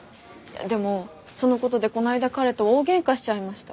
でもそのことでこの間彼と大げんかしちゃいました。